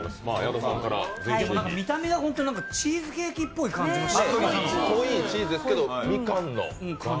見た目がチーズケーキっぽい感じがする。